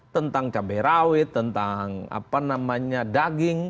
tentang cabai rawit tentang daging